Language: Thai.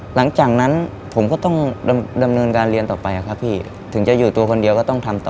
หลังจากนั้นผมก็ต้องดำเนินการเรียนต่อไปครับพี่ถึงจะอยู่ตัวคนเดียวก็ต้องทำต่อ